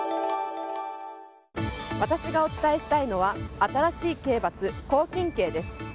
私がお伝えしたいのは新しい刑罰、拘禁刑です。